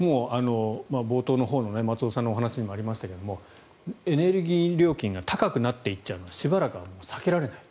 冒頭の松尾さんのお話にもありましたがエネルギー料金が高くなっていっちゃうのはしばらくは避けられない。